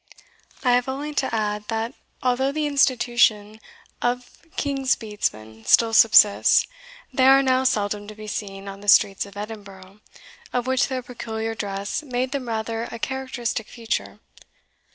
I have only to add, that although the institution of King's Bedesmen still subsists, they are now seldom to be seen on the streets of Edinburgh, of which their peculiar dress made them rather a characteristic feature.